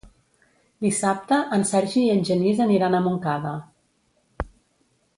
Dissabte en Sergi i en Genís aniran a Montcada.